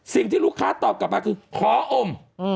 สิ่งที่ลูกค้าตอบกลับมาคือขออม